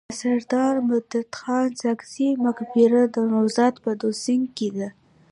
د سرداد مددخان ساکزي مقبره د نوزاد په دوسنګ کي ده.